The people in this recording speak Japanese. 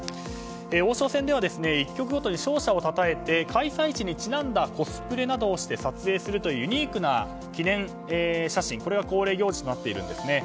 王将戦では１局ごとに勝者を称えて開催地にちなんだコスプレなどをして撮影するというユニークな記念写真が恒例行事となっているんです。